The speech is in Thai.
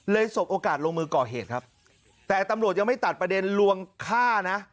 สบโอกาสลงมือก่อเหตุครับแต่ตำรวจยังไม่ตัดประเด็นลวงฆ่านะ